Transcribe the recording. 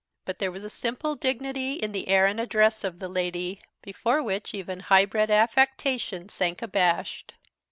But there was a simple dignity in the air and address of the lady, before which even high bred affectation sank abashed.